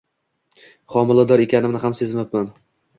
Homilador ekanimni ham sezmabman